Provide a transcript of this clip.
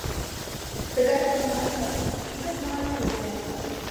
Тыгай шонымашак игылтмыла чучо.